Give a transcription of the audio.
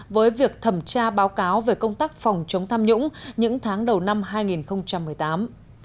với việc thẩm tra báo cáo về công tác phòng chống tham nhũng những tháng đầu năm hai nghìn một mươi tám